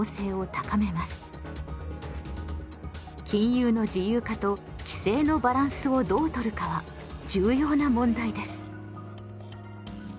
金融の自由化と規制のバランスをどうとるかは重要な問題です。